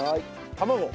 卵。